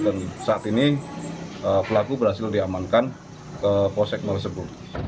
dan saat ini pelaku berhasil diamankan ke polsek marusebo